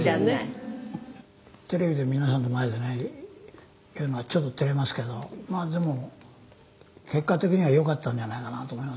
「テレビで皆さんの前でね言うのはちょっと照れますけどまあでも結果的にはよかったんじゃないかなと思いますけどね」